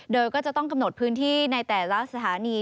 โดยก็จะต้องกำหนดพื้นที่ในแต่ละสถานี